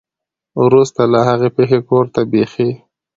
ورورسته له هغې پېښې کور ته بېخي